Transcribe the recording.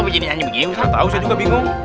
gak tau sih juga bingung